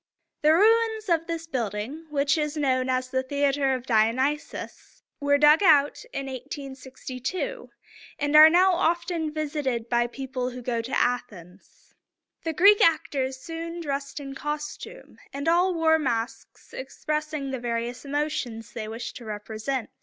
The ruins of this building, which is known as the Theater of Dionysus, were dug out in 1862, and are now often visited by people who go to Athens. [Illustration: Sophocles.] The Greek actors soon dressed in costume, and all wore masks expressing the various emotions they wished to represent.